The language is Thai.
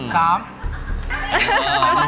๓ไหมคะ